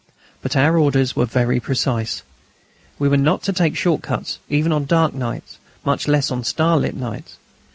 But our orders were very precise: we were not to take short cuts even on dark nights, much less on starlit nights.